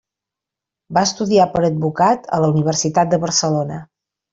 Va estudiar per advocat a la Universitat de Barcelona.